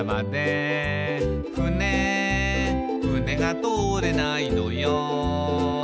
「ふねふねが通れないのよ」